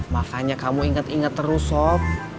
makanya kamu inget inget terus sob